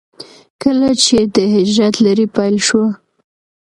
کله چې د هجرت لړۍ پيل شوه.